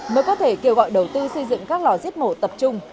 mới có thể kêu gọi đầu tư xây dựng các lò giết mổ tập trung